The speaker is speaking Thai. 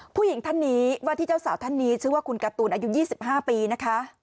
ผู้หญิงท่านนี้ว่าที่เจ้าสาวท่านนี้ชื่อว่าคุณการ์ตูนอายุ๒๕ปีนะคะ